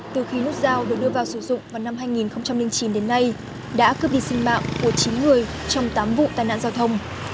từ khi nút giao được đưa vào sử dụng vào năm hai nghìn chín đến nay đã cướp đi sinh mạng của chín người trong tám vụ tai nạn giao thông